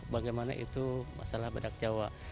bagaimana itu masalah badak jawa